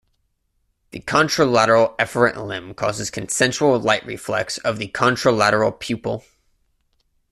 The contralateral efferent limb causes consensual light reflex of the contralateral pupil.